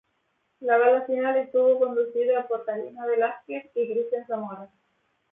La gala final estuvo conducida por Carina Velásquez y Cristian Zamora.